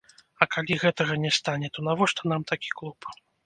А калі гэтага не стане, то навошта нам такі клуб?